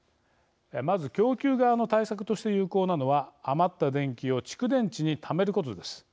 まず供給側の対策として有効なのは余った電気を蓄電池にためることです。